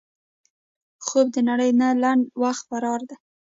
خوب د نړۍ نه لنډ وخت فرار دی